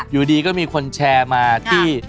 อยู่ดีก็มีคนแชร์มาที่